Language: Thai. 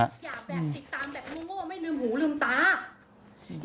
อย่าแบบติดตามแบบโง่ไม่ลืมหูลืมตา